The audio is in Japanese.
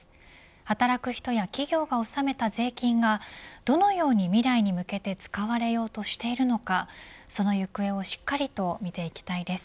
働く人や企業が納めた税金がどのように未来に向けて使われようとしているのかその行方をしっかりと見ていきたいです。